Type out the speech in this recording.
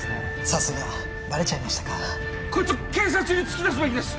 さすがバレちゃいましたかコイツを警察に突き出すべきです